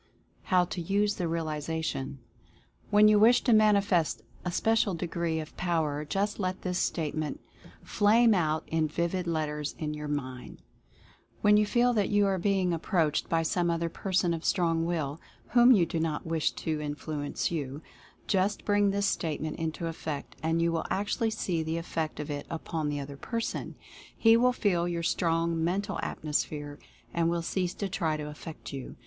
HOW TO USE THE REALIZATION. When you wish to manifest a special degree of Power just let this Statement flame out in vivid let ters in your mind. When you feel that you are be ing approached by some other person of strong will, whom you do not wish to influence you, just bring this Statement into effect, and you will actually see the effect of it upon the other person. He will feel your strong Mental Atmosphere and will cease to try to affect you.